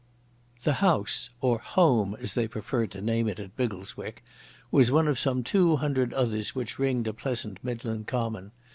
The house—or "home" as they preferred to name it at Biggleswick—was one of some two hundred others which ringed a pleasant Midland common.